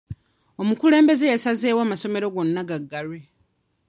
Omukulembeze asazeewo amasomero gonna gaggalwe.